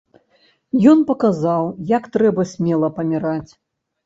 Ён паказаў, як трэба смела паміраць.